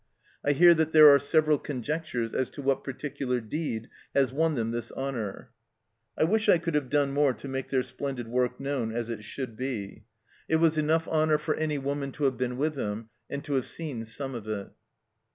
I hear that there are several conjectures as to what particular deed has won them this honour. ..>" I wish I could have done more to make their splendid work known as it should be. It was THE CELLAR HOUSE OF PERVYSE enough honour for any woman to have been with them and to have seen some of it."